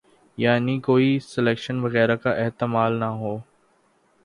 یعنی کوئی سلیکشن وغیرہ کا احتمال نہ ہو۔